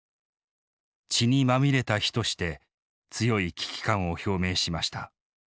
「血にまみれた日」として強い危機感を表明しました。